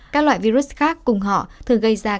các loại virus khác cùng họ thường gây ra các bệnh